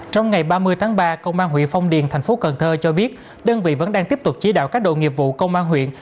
trong ngày ba mươi tháng ba công an huyện phong điền thành phố cần thơ cho biết đơn vị vẫn đang tiếp tục chỉ đạo các đội nghiệp vụ công an huyện